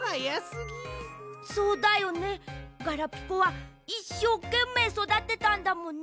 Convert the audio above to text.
そうだよねガラピコはいっしょうけんめいそだてたんだもんね。